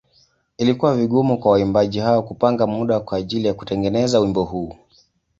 Ilikuwa vigumu kwa waimbaji hawa kupanga muda kwa ajili ya kutengeneza wimbo huu.